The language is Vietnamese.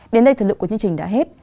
đến đây thật lượng của chương trình đã hết